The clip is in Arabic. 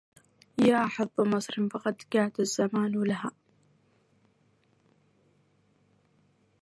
يا حظ مصر فقد جاد الزمان لها